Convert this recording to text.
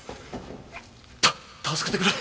たっ助けてくれ！